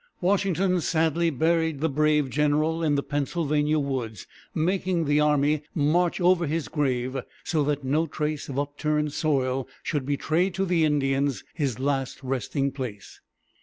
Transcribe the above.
Washington sadly buried the brave general in the Pennsylvania woods, making the army march over his grave, so that no trace of upturned soil should betray to the Indians his last resting place.